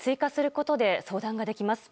ことで相談ができます。